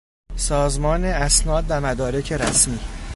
سازمان اسناد و مدارک رسمی